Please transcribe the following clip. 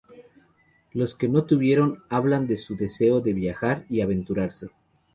Los que no los tuvieron hablan de su deseo de viajar y aventurarse.